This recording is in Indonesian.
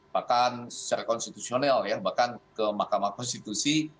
bahkan secara konstitusional ya bahkan ke mahkamah konstitusi